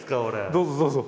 どうぞどうぞ。